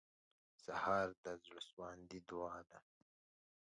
سهار د زړسواندو دعا ده.